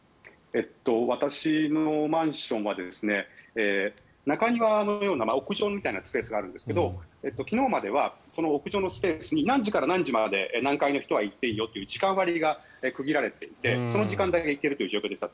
私のマンションは中庭のような屋上みたいなスペースがあるんですが昨日まではその屋上のスペースに何時から何時まで何階の人は行っていいよと時間が区切られていてその時間帯は行けるという状況でした。